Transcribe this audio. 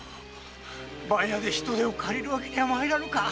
番屋で人手を借りるわけにはまいらぬか？